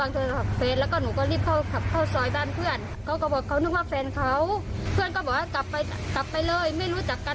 มันอันตรายมากไม่ว่าจะกลางวันหรือกลางคืนก็ตามแต่